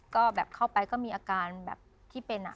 ก็แบบเข้าไปก็มีอาการแบบที่เป็น